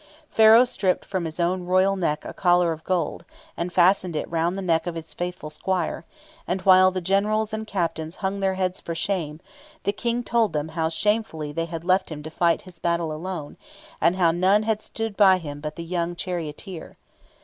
Pharaoh stripped from his own royal neck a collar of gold, and fastened it round the neck of his faithful squire; and, while the Generals and Captains hung their heads for shame, the King told them how shamefully they had left him to fight his battle alone, and how none had stood by him but the young charioteer.